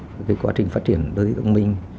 cái quá trình phát triển đô thị thông minh